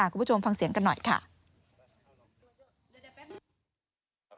คุณผู้ชมฟังเสียงกันหน่อยค่ะ